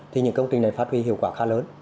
thì những công trình này phát huy hiệu quả khá lớn